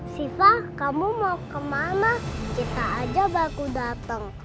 shifa kamu mau kemana kita aja baru dateng